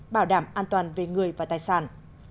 bảo đảm an toàn về người và tài sản